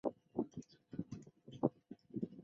当我悄悄贴近你